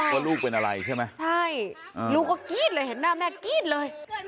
ว่าลูกเป็นอะไรใช่ไหมใช่ลูกก็กรี๊ดเลยเห็นหน้าแม่กรี๊ดเลย